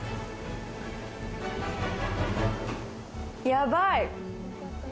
やばい。